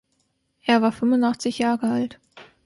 Er war fünfundachtzig Jahre alt.